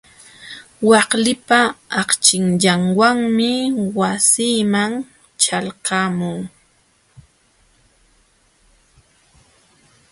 Waklipa akchillanwanmi wasiiman ćhalqamuu.